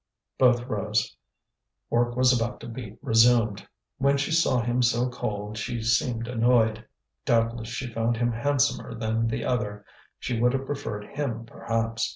Both rose; work was about to be resumed. When she saw him so cold she seemed annoyed. Doubtless she found him handsomer than the other; she would have preferred him perhaps.